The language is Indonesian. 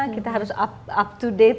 kita harus up to date